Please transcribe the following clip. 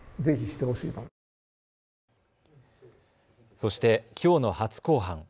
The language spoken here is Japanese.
そして、きょうの初公判。